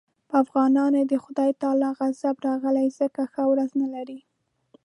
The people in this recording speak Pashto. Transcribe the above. په افغانانو د خدای تعالی غضب راغلی ځکه ښه ورځ نه لري.